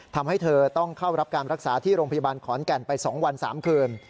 ทำให้เธอต้องเข้ารับการรักษาที่โรงพยาบาลขอนแก่นไป๒วัน๓คืน